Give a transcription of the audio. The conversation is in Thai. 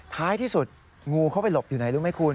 ท้ายที่สุดงูเข้าไปหลบอยู่ไหนรู้ไหมคุณ